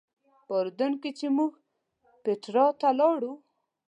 په اردن کې چې موږ پیټرا ته لاړو.